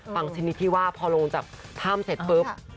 ชนิดที่ว่าพอลงจากถ้ำเสร็จปุ๊บ